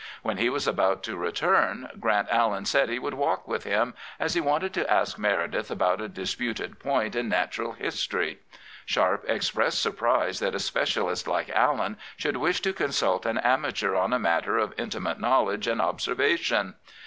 When he was about to return, Grant Allen said he would walk with him, as he wanted to ask Meredith about a disputed point in natural history. Sharp expressed surprise that a specialist like Allen should wish to consult an amateur on a matter of intimate knowledge and observation.